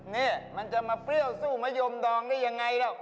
นี่มันจะมาเปรี้ยวสู้มะยมดองได้ยังไงล่ะ